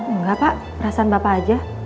enggak pak perasaan bapak aja